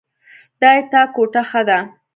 د تا کوټه ښه ده